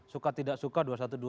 suka tidak suka dua ratus dua belas